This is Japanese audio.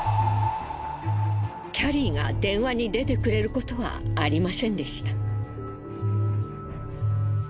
キャリーが電話に出てくれることはありませんでした。